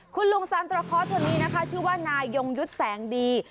คุณลุงซันตราคอร์สคนนี้นะคะชื่อว่านายยงยุทธ์แสงดี